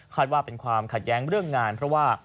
ว่าเป็นความขัดแย้งเรื่องงานเพราะว่า